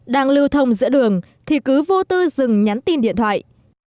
đang lưu thông giữa đường thì cứ vô tư dừng nhắn tin điện thoại